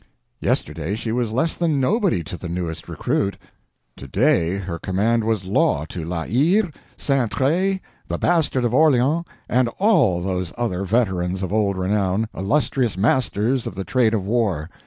Yesterday she was less than nobody to the newest recruit—to day her command was law to La Hire, Saintrailles, the Bastard of Orleans, and all those others, veterans of old renown, illustrious masters of the trade of war.